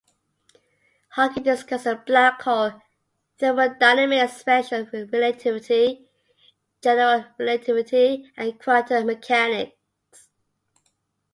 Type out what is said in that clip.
Hawking discusses black hole thermodynamics, special relativity, general relativity, and quantum mechanics.